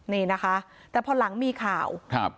นี่นะคะแต่พอหลังมีข่าวครับ